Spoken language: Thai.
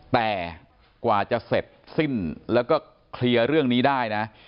แต่กว่าจะเสร็จสิ้นแล้วก็เคลียร์เรื่องนี้ได้นะ